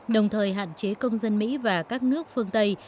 đồng thời hạn chế công dân mỹ và các nước phương tây